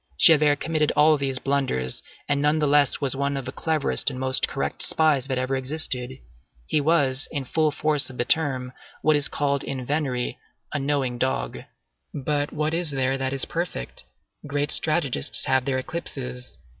Javert committed all these blunders, and nonetheless was one of the cleverest and most correct spies that ever existed. He was, in the full force of the term, what is called in venery a knowing dog. But what is there that is perfect? Great strategists have their eclipses.